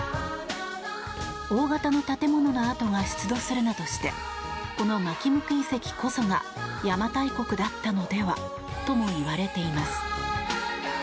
大型の建物の跡が出土するなどしてこの纏向遺跡こそが邪馬台国だったのではとも言われています。